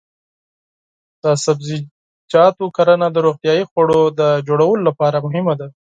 د سبزیجاتو کرنه د روغتیايي خوړو د تولید لپاره مهمه ده.